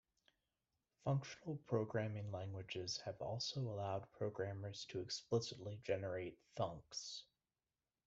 Functional programming languages have also allowed programmers to explicitly generate thunks.